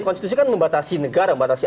konstitusi kan membatasi negara membatasi